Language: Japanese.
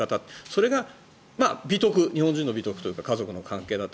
それが日本人の美徳というか家族の関係だと。